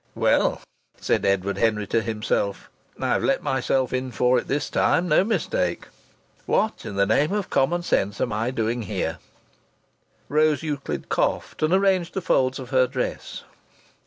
"Well," said Edward Henry to himself, "I've let myself in for it this time no mistake! What in the name of common sense am I doing here?" Rose Euclid coughed and arranged the folds of her dress.